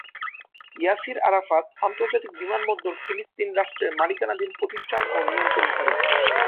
Yasir Arafat আন্তর্জাতিক বিমানবন্দর ফিলিস্তিন রাষ্ট্রের মালিকানাধীন প্রতিষ্ঠান ও নিয়ন্ত্রণকারী।